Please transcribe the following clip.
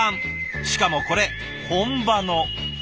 しかもこれ本場の。